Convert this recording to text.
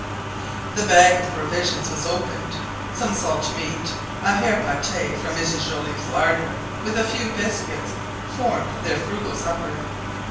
The bag of provisions was opened; some salt meat, a hare paté from Mrs Joliffe's larder, with a few biscuits, formed their frugal supper.